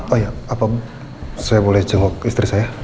oh iya apa saya boleh jenguk istri saya